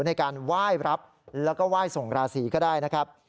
ในการไหว้รับแล้วก็ไหว้ส่งราศีก็ได้นะครับ